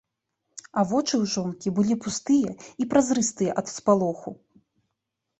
А вочы ў жонкі былі пустыя і празрыстыя ад спалоху.